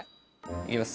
いきます。